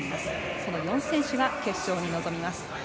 その４選手が決勝に臨みます。